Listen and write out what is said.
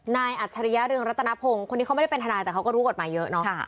อัจฉริยะเรืองรัตนพงศ์คนนี้เขาไม่ได้เป็นทนายแต่เขาก็รู้กฎหมายเยอะเนาะ